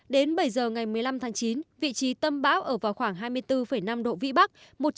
đến bảy giờ ngày một mươi năm tháng chín vị trí tâm bão ở vào khoảng hai mươi bốn năm độ vĩ bắc